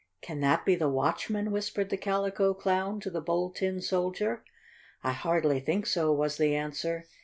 "Can that be the watchman?" whispered the Calico Clown to the Bold Tin Soldier. "I hardly think so," was the answer.